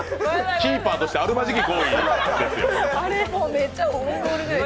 キーパーとしてあるまじき行為ですよ。